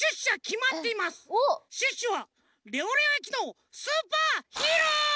シュッシュは「レオレオえきのスーパーヒーロー」！